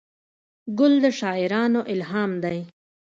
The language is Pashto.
ګل د شاعرانو الهام دی.